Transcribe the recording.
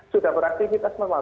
sudah beraktivitas normal